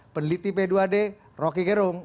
peneliti p dua d rocky gerung